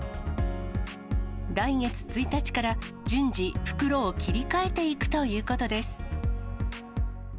来月１日から順次、袋を切り替えていくということです。